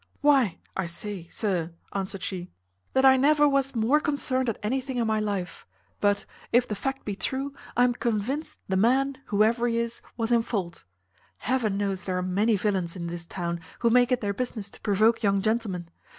"Why, I say, sir," answered she, "that I never was more concerned at anything in my life; but, if the fact be true, I am convinced the man, whoever he is, was in fault. Heaven knows there are many villains in this town who make it their business to provoke young gentlemen.